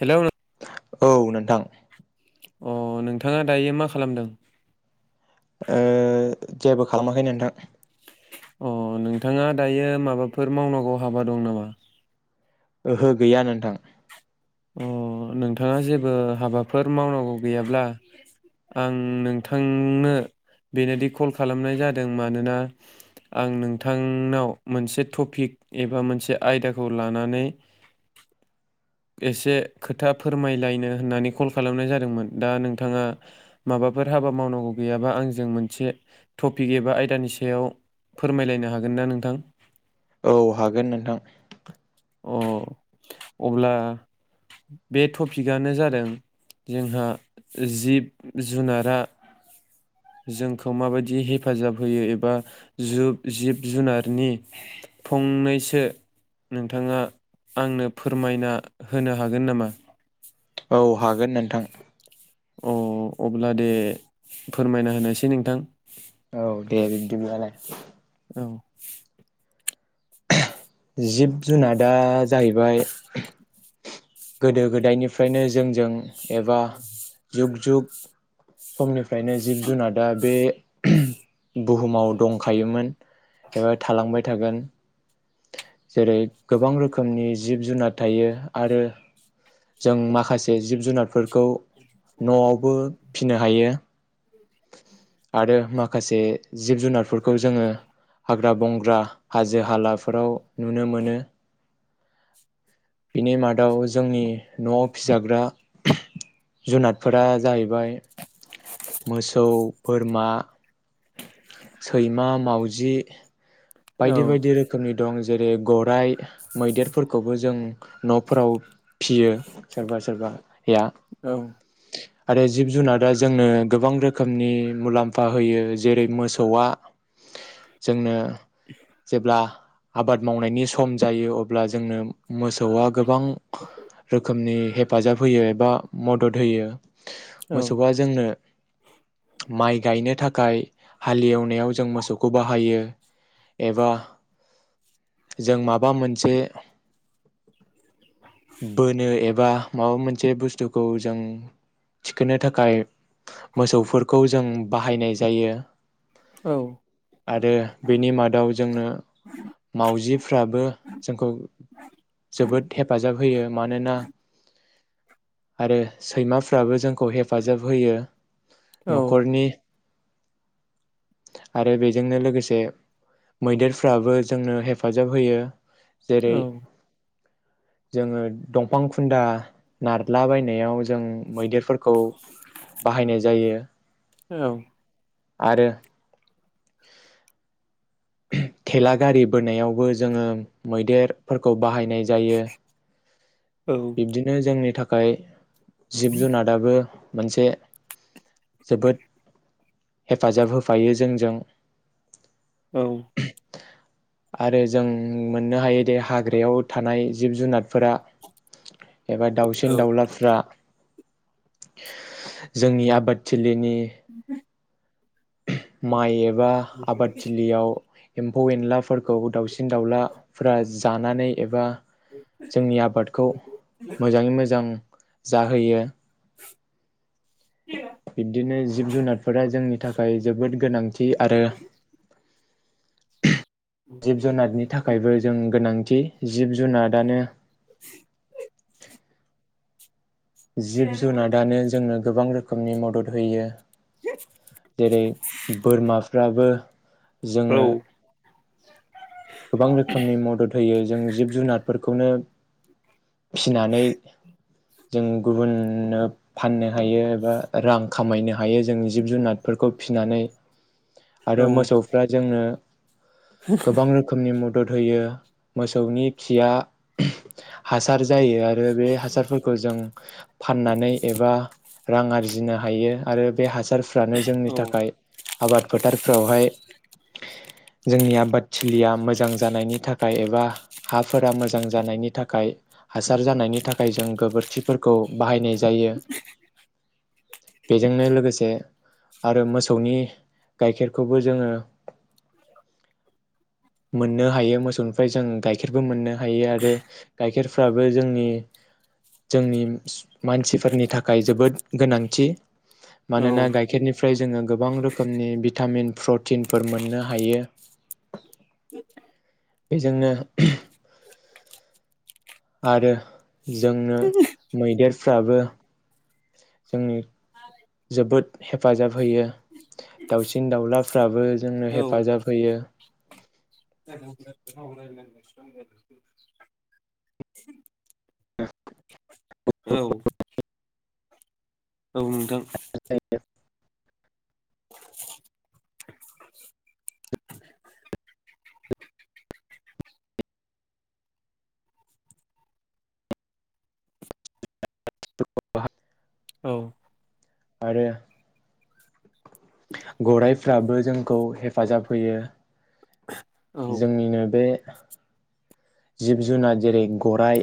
Hello औ नोनथां। अ नोंथाङा दायो मा खालामदों? ओ जेबो खालामाखै नोनथां। अ नोंथाङा दायो माबाफोर मावनांगौ हाबा दं नामा? ओहो गैया नोनथां। अ नोंथाङा जेबो हाबाफोर मावनांगौ गैयाब्ला आं नोंथांनो बेनोदि कल खालामनाय जादों मानोना आं नोंथांनाव मोनसे टपिक एबा मोनसे आयदाखौ लानानै एसे खोथा फोरमायलायनो होननानै कल खालामनाय जादोंमोन दा नोंथाङा माबाफोर हाबा मावनांगौ गैयाबा आंजों मोनसे टपिक एबा आयदानि सायाव फोरमायलायनो हागोन ना नोंथां? औ हागोन नोनथां। अ अब्ला बे टपिकआनो जादों जोंहा जिब जुनारा जोंखौ माबायदि हेफाजाब होयो एबा जुब जिब जुनारनि फंनैसो नोंथाङा आंनो फोरमायना होनो हागोन नामा? औ हागोन नोनथां। अ अब्ला दे फोरमायना होनोसै नोंथां। औ दे बिब्दिब्लालाय औ जिब जुनादा जाहैबाय गोदो गोदायनिफ्रायनो जोंजों एबा जुग जुग समनिफ्रायनो जिब जुनादा बे बुहुमाव दंखायोमोन। एबा थालांबाय थागोन। जेरै गोबां रोखोमनि जिब जुनाद थायो आरो जों माखासे जिब जुनारफोरखौ न'आवबो फिनो हायो। आरो माखासे जिब जुनारफोरखौ जोङो हाग्रा बंग्रा, हाजो हालाफोराव नुनो मोनो । बिनि मादाव जोंनि न'आव फिजाग्रा जुनादफोरा जाहैबाय मोसौ, बोरमा सैमा, मावजि औ बायदि बायदि रोखोमनि दं जेरै गराइ, मैदेरफोरखौबो जों न'फोराव फियो सोरबा सोरबाया औ आरो जिब जुनादा जोंनो गोबां रोखोमनि मुलाम्फा होयो जेरै मोसौआ जोंनो जेब्ला आबाद मावनायनि सम जायो अब्ला जोंनो मोसौआ गोबांग रोखोमनि हेफाजाब होयो एबा मदद होयो हो मोसौआ जोंनो माइ गायनो थाखाय हालेवनायाव जों मोसौखौ बाहायो एबा जों माबा मोनसे बोनो एबा माबा मोनसे बुसथुखौ जों थिखोनो थाखाय मोसौफोरखौ जों बाहायनाय जायो औ आरो बेनि मादाव जोंनो मावजिफ्राबो जोंखौ जोबोद हेफाजाब होयो मानोना आरो सैमाफ्राबो जों खौ हेफाजाब होयो औ न'खरनि आरो बेजोंनो लोगोसे मैदेरफ्राबो जोंनो हेफाजाब होयो जेरै औ जोङो दंफां खुन्दा नारला बायनायाव जों मैदेरफोरखौ खौ बाहायनाय जायो औ आरो उम थेला गारि बोनायावबो जोङो मैदेरफोरखौ बाहायनाय जायो बिबदिनो जोंनि थाखाय गाय जिब जुनादाबो मोनसे जोबोद हेफाजाब होफायो जोंजों औ आरो जों मोननो हायोदे हाग्रायाव थानाय जिब जुनारफोरा एबा दाउसिन दाउलाफ्रा जोंनि आबादथिलि [inaudible] माइ एबा आबादथिलिआव एम्फौ एनलाफोरखौ दाउसिन दाउलाफ्रा जानानै एबा जोंनि आबादखौ मोजाङै मोजां जाहोयो बिबदिनो जिब जुनारफोरा जोंनि थाखाय जोबोद गोनांथि आरो जिब जुनारनि थाखायबो जों गोनांथि थि जिब जुनारानो [inaudible] जिब जुनादानो जोंनो गोबां रोखोमनि मदद होयो जेरै बोरमाफ्राबो जोंनो औ [inaudible] गोबां रोखोमनि मदद होयो जों जिब जुनारफोरखौनो फिनानै जों गुबुननो फाननो हायो एबा रां खामायनो हायो जों जिब जुनारफोरखौ फिनानै आरो मोसौफ्रा जोंनो गोबां [unintelligible] रोखोमनि मदद होयो मोसौनि खिया हासार जायो आरो बे हासारफोरखौ जों फाननानै एबा रां आरजिनो हायो आरो बे हासार फ्रानो जोंनि थाखाय आबाद फोथारफ्रावहाय जोंनि आबाद थिलिया मोजां जानायनि थाखाय एबा हाफोरा मोजां जानायनि थाखाय हासार जानायनि थाखाय जों गोबोरखिफोरखौ बाहायनाय जायो बेजोंनो लोगोसे आरो मोसौनि गाइखेरखौबो जोङो मोननो हायो मोसौनिफ्राय जों गाइखेरबो मोननो हायो आरो गाइखेरफ्राबो जोंनि जोंनि मानसिफोरनि थाखाय जोबोद गोनांथि मानोना औ गाइखेरनि निफ्राय जोङो गोबां रोखोमनि भिटामिन प्रटिनफोर मोननो हायो बेजोंनो आरो जोंनो मैदेरफ्राबो जोंनि जोबोद हेफाजाब होयो दाउसिन दाउलाफ्राबो जोंनो औ हेफाजाब होयो औ [unintelligible] औ नोंथां थेंक इउ [inaudible] औ आरो गरायफ्राबो जोंखौ हेफाजाब होयो औ जोंनिनो बे जिब जुनार जेरै गराइ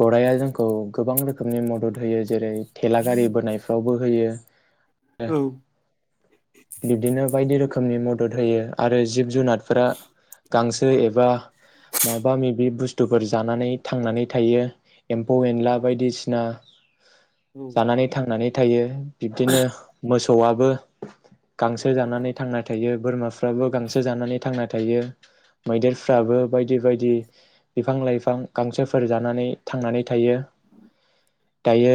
गराइआ जोंखौ गोबां रोखोमनि मदद होयो जेरै थेलागारि बोनायफ्रावबो होयो औ बिब्दिनो बायदि रोखोमनि मदद होयो आरो जिब जुनारफोरा गांसो एबा माबा माबि बुस्थुफोर जानानै थांनानै थायो एम्फौ एनला बायदिसिना जानानै थांनानै थायो बिब्दिनो मोसौआबो गांसो जानानै थांना थायो बोरमाफ्राबो गांसो जानानै थांना थायो मैदेरफ्राबो बायदि बायदि बिफां लाइफां गांसोफोर जानानै थांनानै थायो दायो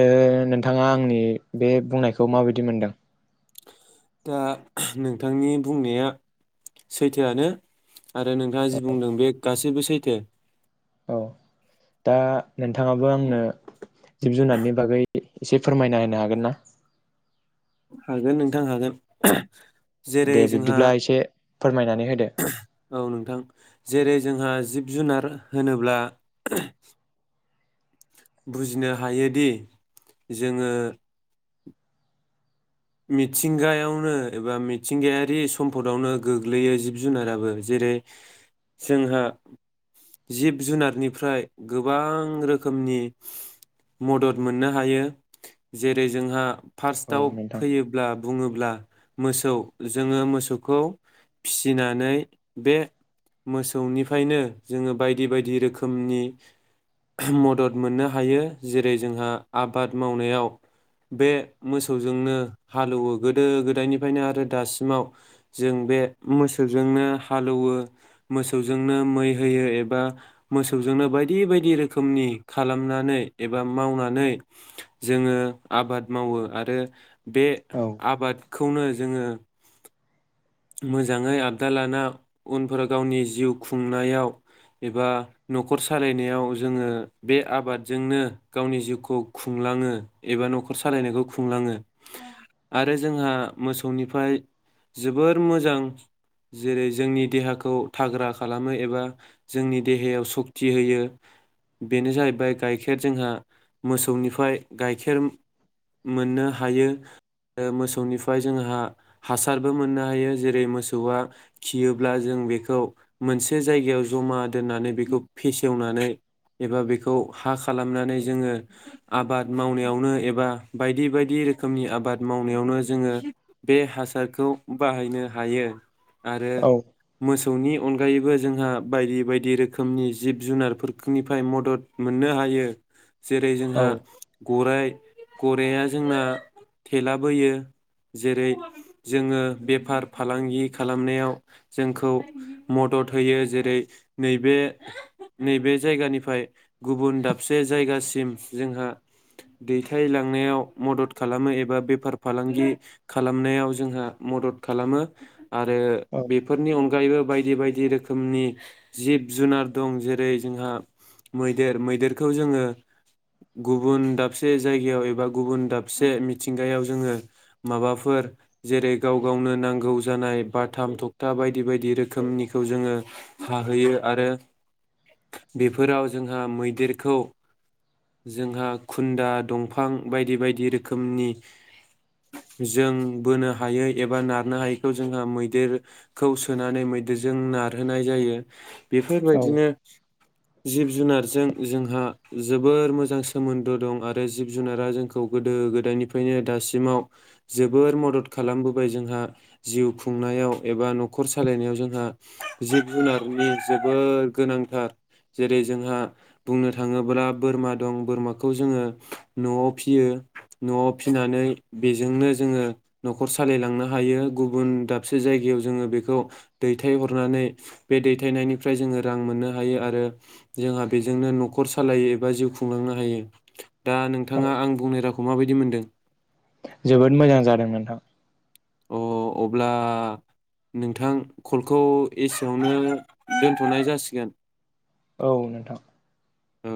नोंथाङा आंनि बे बुंनायखौ माबायदि मोनदों? दा नोंथांनि बुंनाया सैथोआनो आरो नोंथाङा जि बुंदों बे गासैबो सैथो औ दा नोंथाङाबो आंनो जिब जुनारनि बागै एसे फोरमायना होनो हागोन ना? हागोन नोंथां हागोन जेरै दे जोंहा बिब्दिब्ला एसे फोरमायनानै होदो औ नोंथां जेरै जोंहा जिब जुनार होनोब्ला बुजिनो हायोदि जोङो मिथिंगायावनो एबा मिथिंगायारि सम्फदावनो गोग्लैयो जिब जुनाराबो जेरै जोंहा जिब जुनारनिफ्राय गोबां रोखोमनि मदद मोननो हायो जेरै जोंहा औ फार्स्टआव नोंथां फैयोब्ला बुङोब्ला मोसौ जोङो मोसौखौ फिसिनानै बे मोसौनिफ्रायनो जोङो बायदि बायदि रोखोमनि मदद मोननो हायो जेरै जोंहा आबाद मावनायाव बे मोसौजोंनो हालौवो गोदो गोदायनिफ्रायनो आरो दासिमाव जों बे मोसौजोंनो हालौवो मोसौजोंनो मै होयो एबा मोसौजोंनो बायदि बायदि रोखोमनि खालामनानै एबा मावनानै जोङो आबाद मावो आरो बे औ आबादखौनो जोङो मोजाङै आबदाल लाना उनफोरा गावनि जिउ खुंनायाव एबा न'खर सालायनायाव जोङो बे आबादजोंनो गावनि जिउखौ खुंलाङो एबा न'खर सालायनायखौ खुंलाङो आरो जोंहा मोसौनिफ्राय जो बोर मोजां जेरै जोंनि देहाखौ थाग्रा खालामो एबा जोंनि देहायाव सक्ति होयो बेनो जाहैबाय गाइखेर जोंहा मोसौनिफ्राय गाइखेर मोननो हायो मोसौनिफ्राय जोंहा हासारबो मोननो हा हायो जेरै मोसौआ खियोब्ला जों बेखौ मोनसे जायगायाव जमा दोननानै बेखौ फेसेवनानै एबा बेखौ हा खालामनानै जोङो आबाद मावनायावनो एबा बायदि बायदि रोखोमनि आबाद मावनायावनो जोङो बे हासारखौ बाहायनो हायो। आरो औ मोस मोसौनि अनगायैबो जोंहा बायदि बायदि रोखोमनि जिब जुनारफोरनिफ्राय मदद मोननो हायो। जेरै जोंहा औ गराइ गराया जोंना थेला बोयो जेरै जोङो बेफार फालांगि खालामनायाव जोंखौ मदद होयो जेरै नैबे नैबे जायगानिफ्राय गुबुन दाबसे जायगासिम जोंहा दैथायलांनायाव मदद खालामो एबा बेफार फालांगि खालामनायाव जोंहा मदद खालामो। आरो औ बेफोरनि अन अनगायैबो बायदि बायदि रोखोमनि जिब जुनार दं जेरै जोंहा मैदेर मैदेरखौ जोङो गुबुन दाबसे जायगायाव एबा गुबुन दाबसे मिथिंगायाव जोङो माबाफोर जेरै गाव गावनो नांगौ जानाय बाथाम थखथा बायदि बायदि रोखोमनिखौ जोङो हाहैयो आरो बेफोराव जोंहा मैदेरखौ जोंहा खुन्दा दंफां बायदि बायदि रोखोमनि जों बोनो हायै एबा नारनो हायैखौ जोंहा मैदेरखौ सोनानै मैदेरजों नारहोनाय जायो। बेफोरबायदिनो जिब जुनारजों जोंहा जोबोर मोजां सोमोन्दो दं आरो जिब जुनारा जोंखौ गोदो गोदायनिफ्रायनो दासिमाव जोबोर मदद खालामबोबाय जोंहा जिउ खुंनायाव एबा न'खर सालायनायाव जोंहा जिब जुनारनि जोबोद गोनांथार जेरै जोंहा बुंनो थाङोब्ला बोरमा दं बोरमाखौ जोङो न'आव फियो न'आव फिनानै बेजोंनो जोङो न'खर सालायलांनो हायो गुबुन दाबसे जायगायाव जोङो बेखौ दैथायहरनानै बे दैथायनायनिफ्राय जोङो रां मोननो हायो आरो जोंहा बेजोंनो न'खर सालायो एबा जिउ खुंलांनो हायो। दा औ नोंथाङा आं बुंनाय रावखौ माबायदि दि मोनदों? जोबोद मोजां जादों नोंथां। अ अब्ला नोंथां कलखौ एसेयावनो दोनथ'नाय जासिगोन। औ नोंथां। औ